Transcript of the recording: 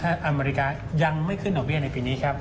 อเมริกายังไม่ขึ้นดอกเบี้ยในปีนี้ครับ